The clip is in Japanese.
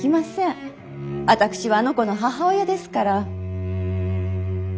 私はあの子の母親ですから。